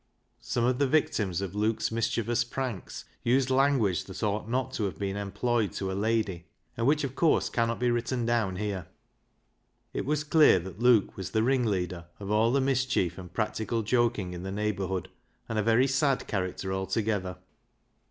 Some of the victims of Luke's mischievous pranks used language that ought not to have been employed to a lady, and which of course cannot be written down here. It was clear that Luke was the ringleader of all the mischief and practical joking in the neighbourhood, and a very sad character altogether.